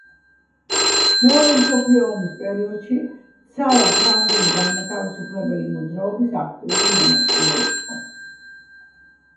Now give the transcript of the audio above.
მეორე მსოფლიო ომის პერიოდში ცარა ფრანგული განმათავისუფლებელი მოძრაობის აქტიური მონაწილე იყო.